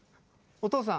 お父さん。